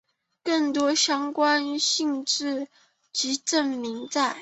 更多相关的性质及证明在。